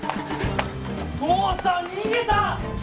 父さん逃げた！